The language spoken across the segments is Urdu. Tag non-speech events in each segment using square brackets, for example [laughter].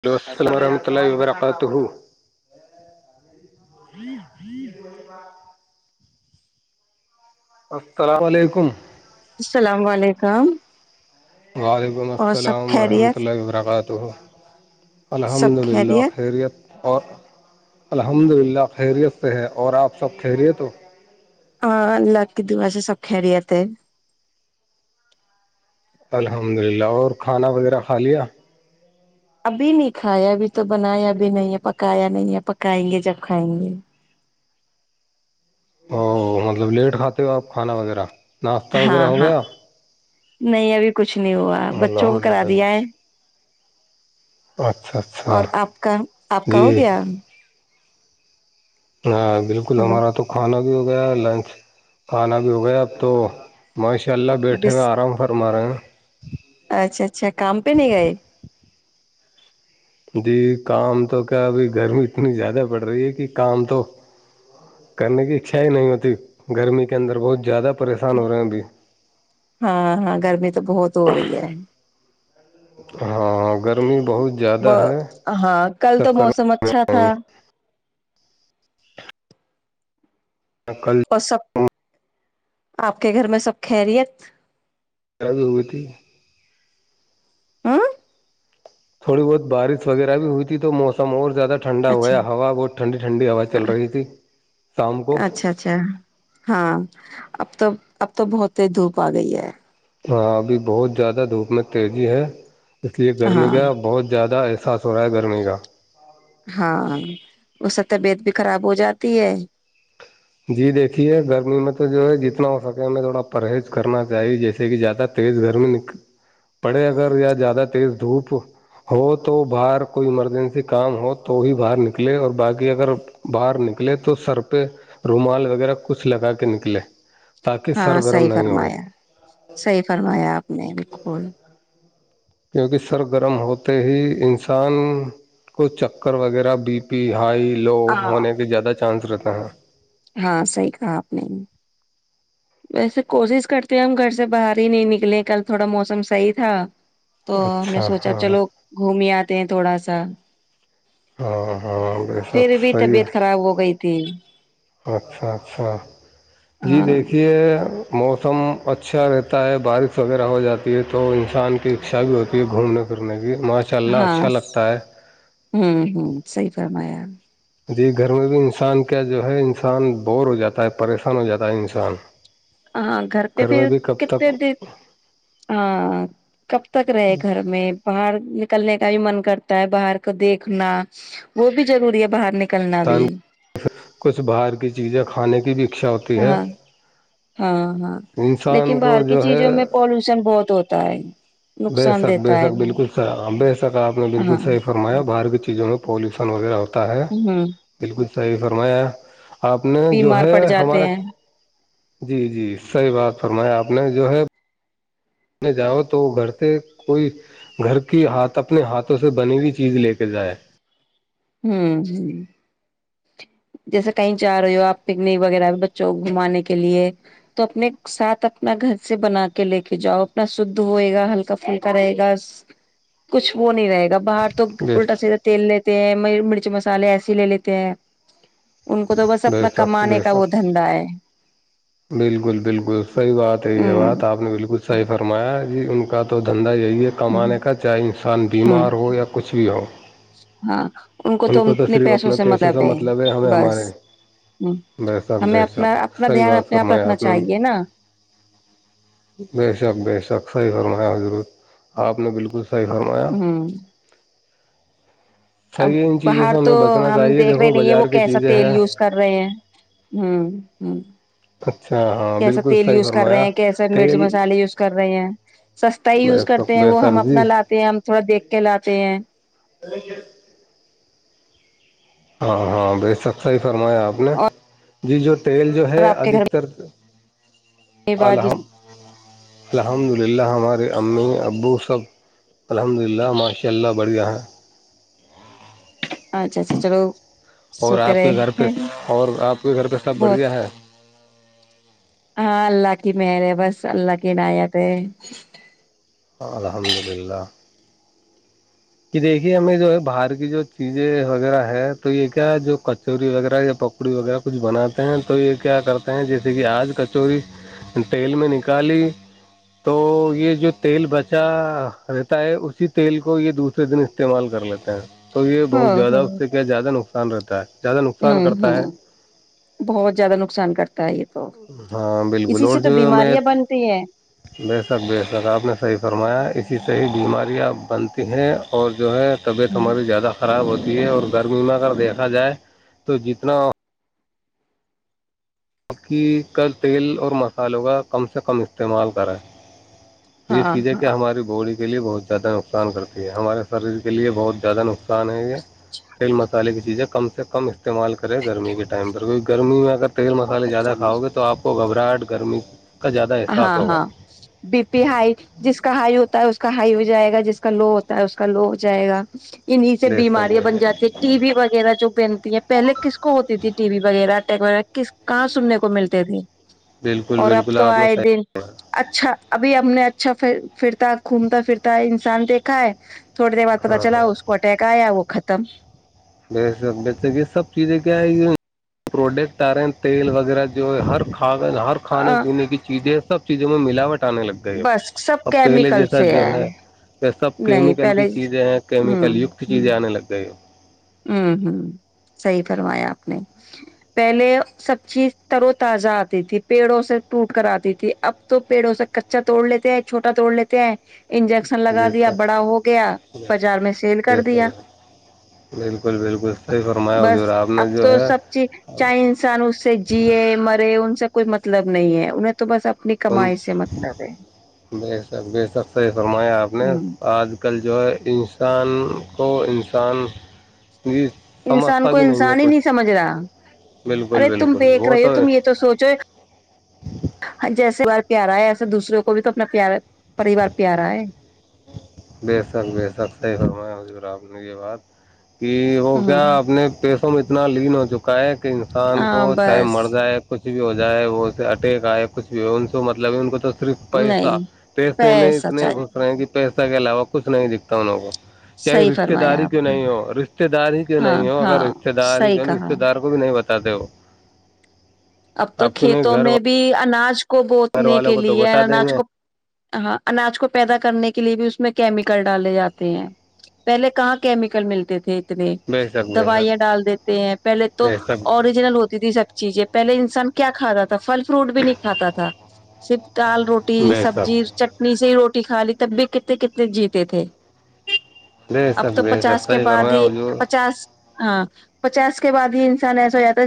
ہیلو السلام ورحمۃ اللہ وبرکاتہ السلام علیکم السلام علیکم کام وعلیکم السلام ورحمۃ اللہ وبرکاتہ دو الحمد للہ خیریت اور الحمد للہ خیریت سے ہے اور آپ سب خیریت تو ہاں ال ل ک دو بسے سوکھارییاتے الحمد للہ اور کھانا وغیرہ کھا لیا ابھی نہیں کھایا ابھی تو بنایا ابھی نہیں ہے پکایا نہیں ہے پکائیں گے جب کھائیں گے او مطلب لیٹ کھاتے ہو آپ کھانا وغیرہ ناشتہ وغیرہ ہاں ہو ہاں گیا نہیں ابھی کچھ نہیں ہوا بچوں کو الحمد کرا دیا ہے للہ اچھا اچھا اور آپ کا آپ کا ہو جی گیا ہاں بالکل ہلو ہمارا تو کھانا بھی ہو گیا لنچ کھانا بھی ہو گیا اب تو موائش ان شاء اللہ بیٹھے بس ہوئے آرام فرم رہے ہیں اچھا اچھا کام پہ نہیں گئے جی کام تو کیا ابھی گرمی اتنی زیادہ پڑ رہی ہے کہ کام تو کرنے کی اچھا ہی نہیں ہوتی گرمی کے اندر بہت زیادہ پریشان ہو رہے ہیں ابھی ہاں ہاں گرمی تو بہت ہو رہی ہے ہاں اگر ب ہاں کل تو چکر موسم اچھا تھا میں کل پسب آپ کے گھر میں سب خیریت پیراب بھی ہوئی تھی [inaudible] تھوڑی بہت بارش وغیرہ بھی ہوئی تھی تو موسم اور زیادہ ٹھنڈا اچھا ہویا ہوا بہت ٹھنڈی ٹھنڈی ہوا چل رہی تھی شام کو اچھا اچھا ہاں اب تو اب تو بہت تیز دھوپ آ گئی ہے ہاں ابھی بہت زیادہ دھوپ میں تیزی ہے اس لیے گرمی ہاں کا بہت زیادہ اساس ہو رہا ہے گرمی کا ہاں اس سے طبیعت بھی خراب ہو جاتی ہے جی دیکھیے گرمی میں تو جو ہے جتنا ہو سکے ہمیں تھوڑا پرہیز کرنا چاہیے جیسے کہ زیادہ تیز گرمی پڑے اگر یا زیادہ تیز دھوپ ہو تو باہر کوئی ایمرجنسی کام ہو تو ہی باہر نکلے اور باقی اگر باہر نکلے تو سر پہ رومال وغیرہ کچھ لگا کے نکلے تاکہ ہاں سر گرم صحیح نہیں ہوئے فرمایا صحیح فرمایا آپ نے بک فن کیونکہ سر گرم ہوتے ہی انسان کو چکر وغیرہ بی پی ہائی لو ہاں ہونے کے زیادہ چانس رہتے ہاں ہاں صحیح کہا آپ نے ویسے کوشش کرتے ہیں ہم گھر سے باہر ہی نہیں نکلے کل تھوڑا موسم صحیح تھا تو ہم نے اچھا سوچا ہاں چلو گھوم ہی آتے ہیں تھوڑا سا ہاں ہاں بے شک پھر بھی صحیح ہے طبیعت خراب ہو گئی تھی اچھا اچھا جی ہاں دیکھیے موسم اچھا رہتا ہے بارش وغیرہ ہو جاتی ہے تو انسان کی اچھا بھی ہوتی ہے گھومنے پھرنے کی ماشاء اللہ ہاں اچھا لگتا ہے ہوں ہ سی بات کرمیا جی گھر میں بھی انسان کیا جو ہے انسان بور ہو جاتا ہے پریشان ہو جاتا ہے انسان ہاں گھر پہ میں پھر بھی کب کتنے تک دن ہاں کب تک رہے گھر میں باہر نکلنے کا بھی من کرتا ہے باہر کو دیکھنا وہ بھی ضروری ہے باہر ن انسان کچھ باہر کی چیزیں کھ ہیں کھانے کی بھی اچھا ہوتی ہے ہاں ہاں ہاں لیکن انسان کو باہر کی جو ہے چیزوں میں پولوشن بہت ہوتا ہے بے نقصان سک بے دیتا ہے شک وہ بالکل بے شک آپ نے بالکل ہاں صحیح فرمایا باہار بھی چیوں میں پیوشن وغیرہ ہوتا ہے ہوں بالکل صحیح فرمایا آپ نے جو بیمار ہے پڑ جاتے ہمارا ہیں جی جی صحیح بات فرمایا آپ نے جو ہے میں جاؤ تو گھر کوئی گھر کیھ اپنے ہاتھوں سے بنی ہوئی چیز لے کے جائے ہوں جی جیسے کہیں جا رہے ہو آپ پکنک وغیرہ بچوں کو گھمانے کے لیے تو اپنے ساتھ اپنا گھر سے بنا کے لے کے جاؤ اپنا شھ ہوئے گا ہلکا پھلکا رہے گا کچھ وہ نہیں رہے گا باہر تو بے الٹا سیدھا تیل لیتے ہیں مرچ مسالے ایے ہی لے لیتے ہیں ان کو تو بس بے اپنا شک کمانے بے کا وہ شک دھندا ہے بالکل بالکل صحی بات ہے یہ ہوں بات آپ نے بالکل صحیح فرمایا جی ان کا تو دن یہی ہے ہ کمانے کا چاہے انسان ہ بیمار ہو یا کچھ بھی ہو ان کو تو صرف اپنے پیشے سے مطلب ہے ہمیں بس ہمارے ہ بے شک ہمیں بے اپنا شک اپنا صحیح دھیان بات اپنے فرمایا رکھنا آپ نے چاہیے نا بے شک بے شک صحیح فرمایا ہو ضرور آپ نے بالکل س صحیح فرمایا ہوں اب صحیح ہے ان چیزوں سے باہر تو ہمیں بچنا ہم چاہیے دیکھ رہے دیکھو نہیں ہیں وہ بازار کی کیسا چیزیں تیل ہے یوز کر رہے ہیں ہ ہوں اچھا ہاں کیسا بالکل تیل صحیح یوز کر رہے فرمایا ہیں کیسا مرچ تیل مسالے یوز کر رہے ہیں سستا ہی بے یوز کرتے شک ہیں بے وہ ہم شک جی اپنا لاتے ہیں ہم تھوڑا دیکھ کے لاتے ہیں ال [unintelligible] ہاں ہاں بے سک صی فرمایا آپ نے جی جو تیل جو ہے ادھکتر ب وازس الحم الحمد للہ ہمارے امی ابو سب الحمد للہ ماشاء اللہ بڑھیا ہیں اچھا اچھا چلو اور شکر آپ کے گھر پہ ہے اور آپ کے گھر پہ سب بہت بڑھیا ہے ہاں اللہ کی مہر ہے بس اللہ کیناایت ہے الحمد للہ کہ دیکھیے ہمیں جو ہے باہر کی جو چیزیں وغیرہ ہے تو یہ کیا جو کچوری وغیرہ یا پکوڑی وغیرہ کچھ بناتے ہیں تو یہ کیا کرتے ہیں جیسے کہ آج کچوری تیل میں نکالی تو یہ جو تیل بچا رہتا ہے اسی تیل کو یہ دوے دن استعمال کر لیتے ہیں تو یہ ہاں بہت زیادہ ہاں اس سے کیا زیادہ نا سن رہتا ہے زیادہ نقصان ہوں کرتا ہے ہوں بہت زیادہ نقصان کرتا تاائت ہاں بالکل اور جو امی بنتی ہیں بے شک بےش تک آپ نے صحیح فرمایا اسی صحیح بیماریاں بنتی ہیں اور جو ہے طبیعت ہوں ہماری زیادہ خراب ہوتی ہے اور گرمی میں اگر دیکھا جائے تو جتنا [unintelligible] بکی کل تیل اور مصالحوں کا کم سے کم استعمال کریں [unintelligible] یہ ہاں چیزیں کیا ہاں ہماری بوڑی [unintelligible] کے لی بہت زیادہ نقصان کرتے [unintelligible] یہ ہمارے شریر کے لیے بہت [unintelligible] زیادہ نقصان ہے یہ [unintelligible] تیل مسالے کی چیزیں کم [unintelligible] س کم ہے [unintelligible] استعمال کرے گرمی کے ٹائم پر کوئی [unintelligible] گرمی میں [unintelligible] تیل مسالے زیادہ کا گے آپ گبر [unintelligible] فراٹ گرمی [unintelligible] احساس ہاں ہوگا ہاں بی پی ہائی جس کا ہائی ہوتا ہے اس کا ہائی ہو جائے گا جس کا لو ہوتا ہے اس کا لو ہو جائے گا انہیں سے بے شک بیماریاں بن جاتی ہیں ٹی وی وغیرہ جو بہنتی ہیں پہلے کس کو ہوتی تھی ٹی وی وغیرہ کس کہاں سننے کو ملتے تھے [unintelligible] بالکل اور اب بالکل [unintelligible] تو آئے دن اچھا ابھی ہم نے [unintelligible] اچھا پھرتا گھومتا پھرتا انسان دیکھا ہے [unintelligible] تھوڑے د وارتہ ہاں ہاں چلاو اس کوٹ کا آیاو خط [unintelligible] تم [unintelligible] ک یہ سب چیزیں کیا ہے یہ پروڈکٹ آ رہے ہیں تیل وغیرہ جو ہر [unintelligible] کھا ہر کھانے پینے کی چیزیں سب [unintelligible] چیز میں ملاٹ [unintelligible] بس سب کیمیکل سے ہے یہ سب نہیں کیمیکل کی پہلے چیزیں ہیں کیمیکل ہوں یکت چیزیں آنے لگ گئی [unintelligible] ہوں ہوں صحی فرمایا آپ نے پہلے سب چیز ترو تازہ آتی تھی پیڑوں سے ٹوٹ کر آتی تھی اب تو پیڑوں سے کچا توڑ لیتے ہیں چھوٹا توڑ لیتے ہیں انجیکشن ہیں۔ لگا جی دیا سر بڑا ہو گیا بازار میں سیل جی کر سر دیا بالکل بالکل صحیح فرمایا بس حضور آپ اب نے جو تو ہے سب چیز چاہے انسان اس سے جیے مرے ان سے کوئی مطلب نہیں ہے انہیں تو تو بس اپنی ان کمائی سے مطلب ہے فمایا آپ نے ہ آج کل [unintelligible] جو ہے انسان کو انسان [unintelligible] انسان سمجھتا کو بھی ہے انسان ہی نہیں کچھ سمجھ رہا بالکل ارے تم بالکل دیکھ وہ رہے ہو تم یہ تو سوچو جیسا پار پیارا ہے ایسے دوسروں کو بھی تو اپنا پیارا پریوار پیارا ہے بے شک بے شک صیح میں رہا یہ بات کہ وہ ہ کیا اپنے پیس میں اتنا لین ہو چکا ہے [unintelligible] انسان کو ہاں چاہے بس مر جائے کچھ [unintelligible] کچھ بھی ہو جائے وہ سے اٹیک آئے کچھ بھی ہو ان کو مطلب ان کو تو [unintelligible] صرف پیسہ نہیں پیسے میں پیسا اتنے چاہیے گھس رہے ہیں کہ [unintelligible] پیسہ کے علاوہ کچھ نہیں دکھتا انوں کو [unintelligible] چاہے صحیح رشتے فرمایا داری کیوں آپ نے نہیں ہو رشتے داری کیوں ہاں نہیں ہو اگر ہاں رشتے داری صحیح کی کہا رشتے دار کو بھی نہیں بتا تا دو [unintelligible] اب تو کھیتوں میں بھی اناج کو گھر بوتنے والوں کے کو تو بتا دیں لیےاج گے کو [unintelligible] ہاں اناج کو پیدا کرنے کے لیے بھی اس میں کیمیکل ڈالے جاتے ہیں پہلے کہاں کیمیکل ملتے تھے بے شک بے شک دوائیاں ڈال دیتے ہیں پہلے تو بے شک اوریجنل ہوتی تھی سب چیزیں [unintelligible] انسان کیا کا رہا تھا [unintelligible] فھل فروٹ بھی نہیں کھاتا تھا صرف دال روٹی بے شک سبزی چٹنی سےی روٹی [unintelligible] چ کھای تب بھی کتنے کتنے جیتے تھے بے اب شک تو بے شک پچاس کے صحیح بعد فرمایا ہی حضور پچاس ہاں پچاس کے بعد ہی انسان ایسا ہو جاتا ہے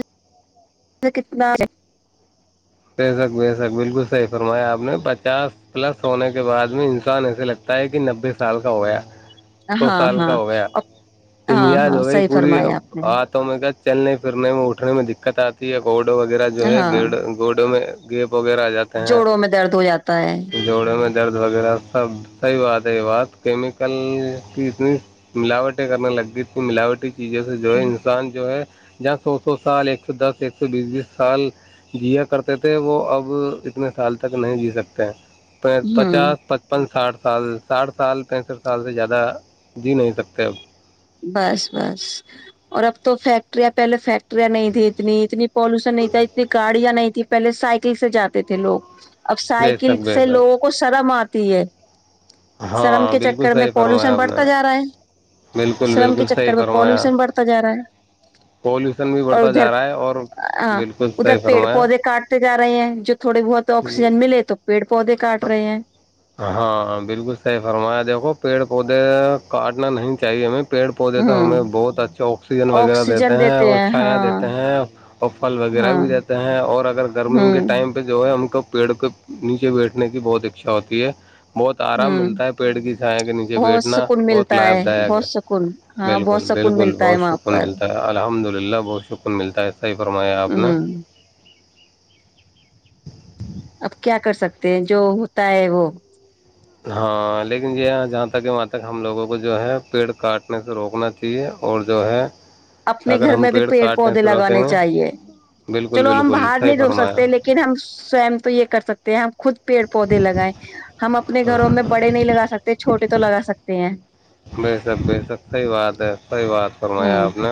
م کتنا [unintelligible] بے سک بےسک بالکل صحیح فرمایا آپ نے پچاس پلس ہونے کے بعد میں انسان ایسے لگتا ہے کہ نبے سال کا ہو گیا [unintelligible] ہاں ہاں ہاں امیاد ہاں ہو گئی صحیح پوری فرمایا آپ نے ہاتھوں میں چلنے پھرنے میں اٹھنے میں دقت آتی ہے [unintelligible] گو وغیرہ جو ہے ہاں گڑ گوڑوں میں [unintelligible] گ [unintelligible] وغیرہ آ جاتے جوڑوں میں درد ہو جاتا ہیں ہے جوڑوں میں درد وغیرہ سب [unintelligible] صحیح بات ہے یہ بات کیمیکل کی اتنی ملاوٹ [unintelligible] کرنے لگتی تھی ملاوٹی [unintelligible] کیی جے سے جو ہے انسان جو ہے [unintelligible] جہاں سو سو سال ایک سو دس ایک سو بیس بیس سال جیا کرتے تھے وہ اب اتنے سال تک نہیں جی سکتے پ ہوں پچاس پچپن ساٹھ سال ساٹھ سال پینسٹھ سال سے زیادہ جی نہیں سکتے اب [unintelligible] بس بس اور اب تو فیکٹریاں پہلے فیکٹریاں نہیں تھھی اتنی اتنی پالوشن نہیں تھا ہےے گاڑیا نہیں [unintelligible] کہ پہلے سائیکل سے جاتے تھے لوگ [unintelligible] اب بے سائیکل شک بے سے شک لوگوں کو شرم آتا ت ہے [unintelligible] شرم ہاں کے بالکل چکر میں صحیح فرمایا پالوشن آپ نے بڑھتا جا رہا ہے بالکل شرم کے بالکل چکر صحیح میں فرمایا پالوشن بڑھتا جا رہا ہے پولوشن بھی اور بڑھتا ادھر جا رہا ہے اور ہاں بالکل ادھر صحیح پیڑ فرمایا پودے کاٹتے جا رہے ہیں جو تھوڑے بہت جی آکسیجن ملے تو پیڑ پودے کاٹ رہے ہیں ہاں بالکل صحیح فرمایا دیکھو پیڑ پودے کاٹنا نہیں چاہیے ہمیں [unintelligible] پیڑ پودے تو ہوں ہمیں بہت اچھا آکسیجن وغیرہ دیتے ہیں اور چھایاں دیتے ہیں اور پھل وغیرہ ہاں بھی دیتے ہیں اور اگر گرمی کے ہوں ٹائم پہ جو ہے ہم کو [unintelligible] پیڑ کے نیچے بیٹھے [unintelligible] نے کی بہت اچھا ہوتی ہے [unintelligible] بہت آرام ہوں ملتا ہے پیڑ کی چھائے کے نیچے بہت بیٹھنا سکون بہت ملتا لابھ دایک بہت ہے سکون ہاں بہت بالکل سکون بالکل ملتا ہے بہت وہاں شکر پر ملتا ہے الحمد للہ اللہ بہت شکر ملتا ہے [unintelligible] صحیح فرمایا آپ نے ہ [unintelligible] اب کیا کر سکتے ہیں جو ہوتا ہے وہ ہاں لیکن یہ جہاں تک ہے وہاں تک ہم لوگوں کو جو ہے پیڑ کاٹنے سے روکنا چاہیے اور جو ہے اپنے اگر گھر ہم میں بھی پیڑ کاٹنے پودے سے روکیں لگانے گے چاہیے بالکل چلو ہم بالکل باہر صحیح نہیں رو فرمایا سکتے لیکن ہم سوم تو یہ کر سکتے تو آپ [unintelligible] خود پیڑ پودے لگائے [unintelligible] ہم اپنے گھروں میں بڑے نہیں لگا سکتے چھوٹے تو لگا سکتے ہیں بہتر بہتر صحیح بات ہے صحیح ی بات فرمایا ہ آپ نے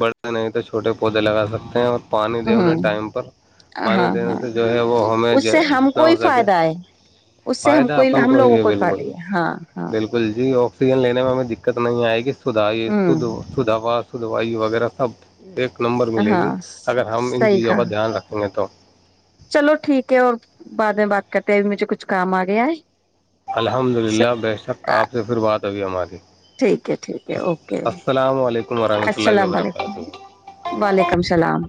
بڑے نہیں تو چھوٹے پودے لگا سکتے ہیں اور پانی ہ دے انیں ٹائم پر پانی ہاں دینے ہاں سے جو ہے وہ ہمیں اس سے ہم جتنا کو ہی ہو سکے فائدہ ہے اس سے ہم فائدہ اپن ہم کو ہی لوگوں ہے فائدہ بالکل ہے ہاں ہاں ہ بالکل جی ا [unintelligible] میں ہمیں دقت نہیں آئے گی س سدائی سدھاوا سدوائی وغیرہ سب ایک نمبر ملے ہاں گی اگر ہم ان صحیح چیزوں کا کہا دھیان رکھیں گے تو چلو ٹھیک ہے اور بعد میں بات کرتے ہیں اب مجھے کچھ کام آ گیا ہے الحمد للہ بے شک آپ سے پھر بات تبھی ہماری ٹھیک ہے ٹھیک ہے اوکے السلام علیکم ورحمۃ اللہ السلام علیکم وبرکاتہ وعلیکم السلام